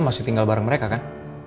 masih tinggal bareng mereka kan